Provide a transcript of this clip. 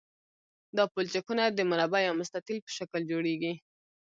دا پلچکونه د مربع یا مستطیل په شکل جوړیږي